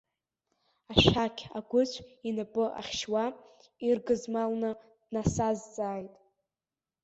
Ашәақь агәыцә инапы ахьшьуа, иргызмалны днасазҵааит.